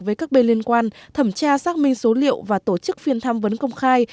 với các bên liên quan thẩm tra xác minh số liệu và tổ chức phiên tham vấn công khai